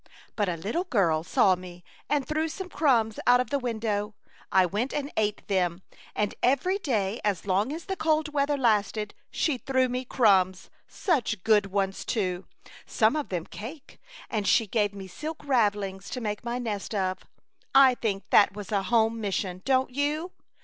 But a little girl saw me and threw some crumbs out of the window. I went and ate them, and every day as long as the cold weather lasted she threw me crumbs — such good ones too — some of them cake; and she gave me silk ravelings to make my nest of. I think that was a home mission, don't you